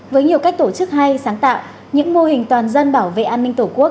với nhiều cách tổ chức hay sáng tạo những mô hình toàn dân bảo vệ an ninh tổ quốc